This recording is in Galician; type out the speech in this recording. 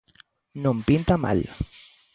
Non pinta mal.